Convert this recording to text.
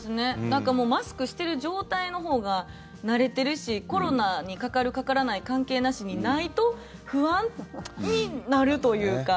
なんかもうマスクしてる状態のほうが慣れてるしコロナにかかる、かからない関係なしにないと不安になるというか。